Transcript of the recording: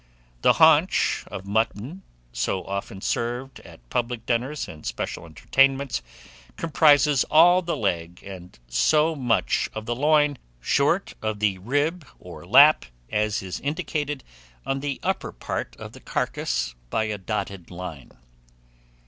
The haunch of mutton, so often served at public dinners and special entertainments, comprises all the leg and so much of the loin, short of the ribs or lap, as is indicated on the upper part of the carcase by a dotted line.